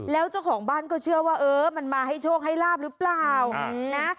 แล้วเจ้าของบ้านก็เชื่อว่าเออมันมาให้โชคให้ลาบหรือเปล่านะ